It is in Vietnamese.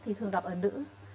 thì thường gặp ở nữ